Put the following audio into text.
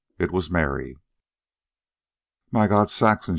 It was Mary. "My God, Saxon!"